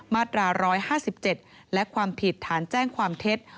มาตรา๑๕๗และความผิดฐานแจ้งความเท็จ